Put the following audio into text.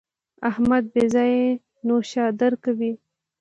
احمد بې ځایه نوشادر کاروي.